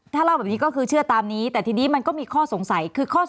ถ้าเล่าแบบนี้ก็คือเชื่อตามนี้แต่ทีนี้มันก็มีข้อสงสัยคือข้อ๒